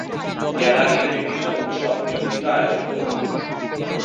Gallery বিভিন্ন উৎসব নিয়মিত আয়োজন করে থাকে।